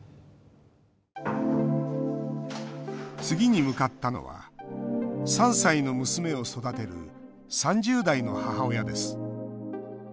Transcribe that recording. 次に向かったのは、３歳の娘を育てる３０代の母親です。